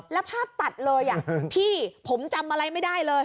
แล้วภาพตัดเลยพี่ผมจำอะไรไม่ได้เลย